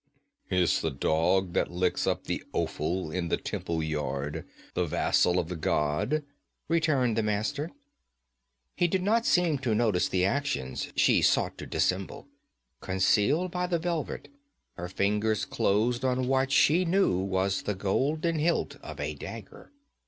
'Is the dog that licks up the offal in the temple yard the vassal of the god?' returned the Master. He did not seem to notice the actions she sought to dissemble. Concealed by the velvet, her fingers closed on what she knew was the golden hilt of a dagger.